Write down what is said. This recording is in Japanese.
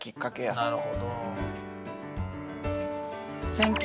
なるほど。